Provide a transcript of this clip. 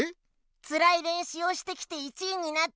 つらいれんしゅうをしてきて１位になったんです。